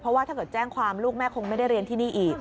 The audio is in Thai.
เพราะว่าถ้าเกิดแจ้งความลูกแม่คงไม่ได้เรียนที่นี่อีก